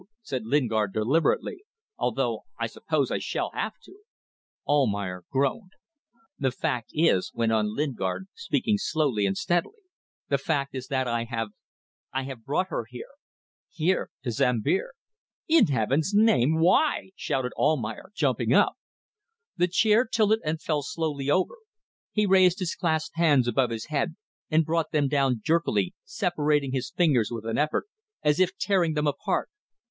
said Lingard, deliberately. "Although I suppose I shall have to ..." Almayer groaned. "The fact is," went on Lingard, speaking slowly and steadily, "the fact is that I have ... I have brought her here. Here. To Sambir." "In heaven's name! why?" shouted Almayer, jumping up. The chair tilted and fell slowly over. He raised his clasped hands above his head and brought them down jerkily, separating his fingers with an effort, as if tearing them apart.